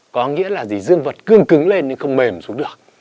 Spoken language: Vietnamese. có nghĩa là gì dương vật cương cứng lên nhưng không mềm xuống được